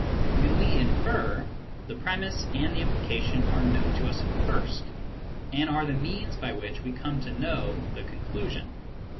When we infer, the premiss and the implication are known to us first, and are the means by which we come to know the conclusion.